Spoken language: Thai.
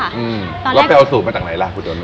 แล้วไปเอาสูตรมาจากไหนล่ะก๋วยเตี๋ยวเนื้อ